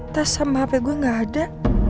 tas sama hp gue gak ada